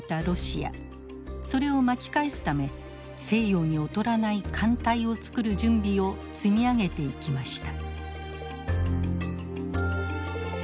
それを巻き返すため西洋に劣らない艦隊をつくる準備を積み上げていきました。